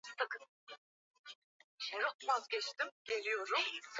Yenye urefu wa mita elfu mbili mia tisa sitini na mbili